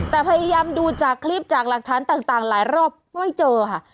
แต่พยายามดูจากคลิปจากหลักฐานต่างหลายรอบไม่เจอค่ะ